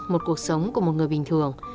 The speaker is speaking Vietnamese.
một cuộc sống của một người bình thường